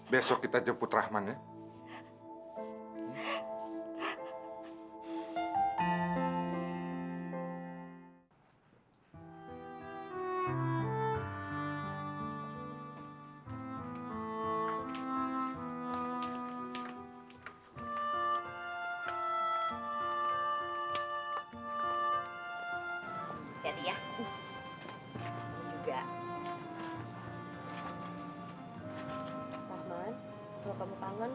besok kita jemput rahman ya